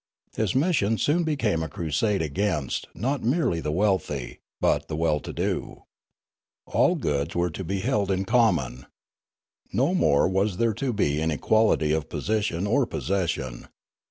His mission soon became a crusade against, not merely the wealthy, but the well to do. All goods were to be held in com mon. No more was there to be inequality of position or possession.